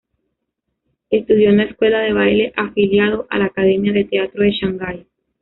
Estudió en la Escuela de baile afiliado a la Academia de Teatro de Shangai.